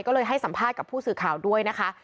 ก็เลยให้สัมภาษณ์กับผู้สื่อข่าวด้วยนะคะ